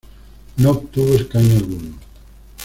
No obtuvo escaño alguno.